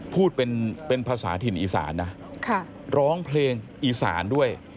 พูดเป็นภาษาถิ่นอีสานนะร้องเพลงอีสานด้วย